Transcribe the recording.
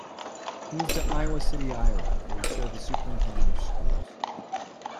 He moved to Iowa City, Iowa, where he served as Superintendent of Schools.